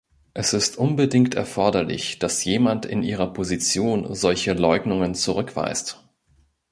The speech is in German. Es ist unbedingt erforderlich, dass jemand in Ihrer Position solche Leugnungen zurückweist.